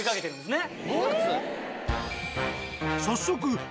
早速。